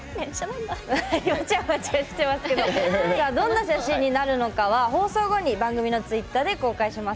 わちゃわちゃしてますがどんな写真になるのかは放送後に番組のツイッターで公開します。